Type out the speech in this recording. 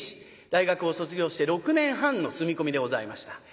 大学を卒業して６年半の住み込みでございました。